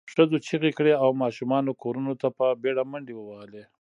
ښځو چیغې کړې او ماشومانو کورونو ته په بېړه منډې ووهلې.